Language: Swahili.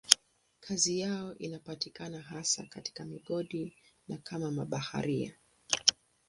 Kazi yao inapatikana hasa katika migodi na kama mabaharia.